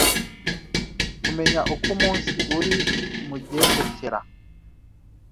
kumenya uko umunsi uri kumugendekera